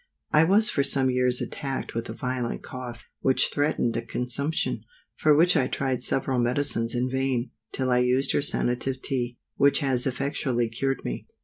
I was for some years attacked with a violent cough, which threatened a consumption, for which I tried several medicines in vain, till I used your Sanative Tea, which has effectually cured me.